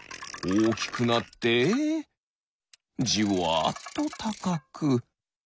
おおきくなってじわっとたかく。